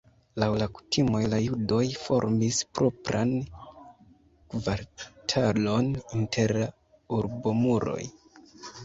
Laŭ la kutimoj la judoj formis propran kvartalon inter la urbomuroj.